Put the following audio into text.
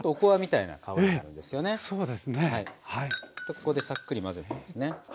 ここでさっくり混ぜてみますね。